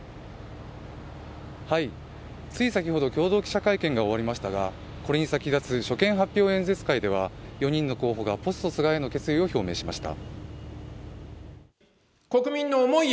対先ほど、共同記者会見が終わりましたがこれに先立つ所見発表演説会では４人の候補がポスト菅への決意を表明しました。